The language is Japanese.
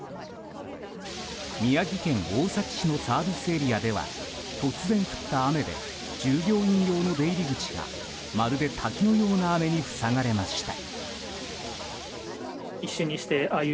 宮城県大崎市のサービスエリアでは突然降った雨で突然降った雨で従業員用の出入り口がまるで滝のような雨に塞がれました。